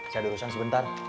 saya dirusakan sebentar